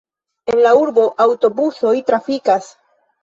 En la urbo aŭtobusoj trafikas.